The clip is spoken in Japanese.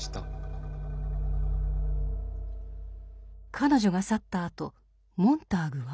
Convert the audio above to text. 彼女が去ったあとモンターグは？